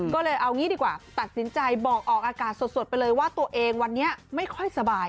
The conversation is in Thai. ก็เลยเอางี้ดีกว่าตัดสินใจบอกออกอากาศสดไปเลยว่าตัวเองวันนี้ไม่ค่อยสบาย